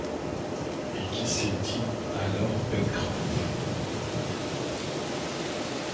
Eh qui sait dit alors Pencroff